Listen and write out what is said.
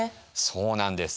そうなんです。